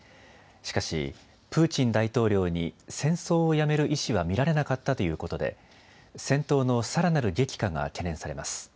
しかしプーチン大統領に戦争をやめる意思は見られなかったということで戦闘のさらなる激化が懸念されます。